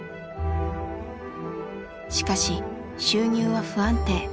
しかし収入は不安定。